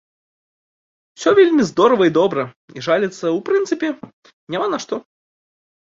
Усё вельмі здорава і добра, і жаліцца ў прынцыпе няма на што.